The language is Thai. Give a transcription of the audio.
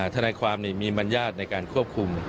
ทนายความมีมัญญาติในการควบคุม